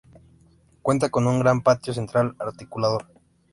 Cuenta con un gran patio central articulador.